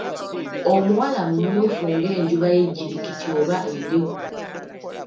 Omuwala mumyufu ng'enjuba y'ejjirikiti oba endeku.